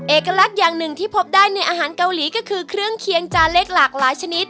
เอกลักษณ์อย่างหนึ่งที่พบได้ในอาหารเกาหลีก็คือเครื่องเคียงจานเล็กหลากหลายชนิด